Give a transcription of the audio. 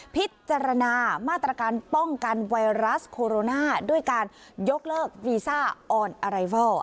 พิจารณามาตรการป้องกันไวรัสโคโรนาด้วยการยกเลิกวีซ่าออนอะไรเวิล